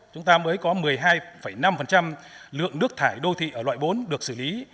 chúng ta mới có một mươi hai năm lượng nước thải đô thị ở loại bốn được xử lý